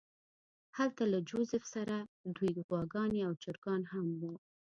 هلته له جوزف سره دوې غواګانې او چرګان هم وو